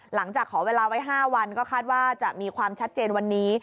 หลังจากขอเวลาไว้๕วันก็คาดว่าจะมีความชัดเจนวันนี้